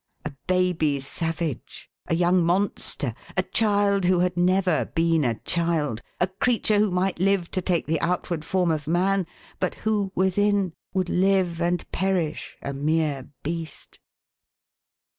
A baby savage, a young monster, a child who had never been a child, a creature who might live to take the outward form of man, but who, within, would live and perish a mere beast.